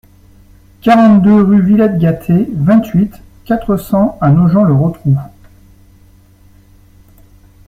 quarante-deux rue Villette Gâté, vingt-huit, quatre cents à Nogent-le-Rotrou